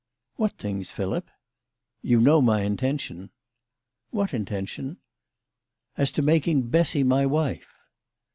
" What things, Philip ?"" You know my intention." " What intention ?"" As to making Bessy my wife."